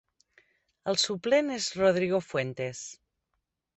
El suplent és Rodrigo Fuentes.